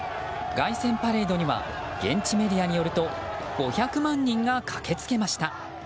凱旋パレードには現地メディアによると５００万人が駆けつけました。